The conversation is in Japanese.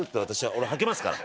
俺はけますから。